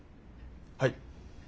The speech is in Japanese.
はい！